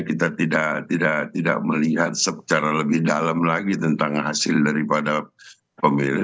kita tidak melihat secara lebih dalam lagi tentang hasil daripada pemilu